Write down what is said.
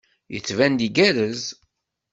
Yettban-d igerrez.